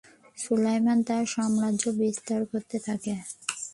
সুলেইমান তার সাম্রাজ্য বিস্তৃত করতে থাকে।